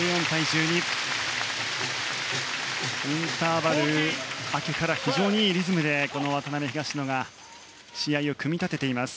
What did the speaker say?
インターバル明けから非常にいいリズムで渡辺、東野が試合を組み立てています。